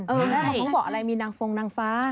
ม้าของก็บอกมีนางฟ้องนางฟ้า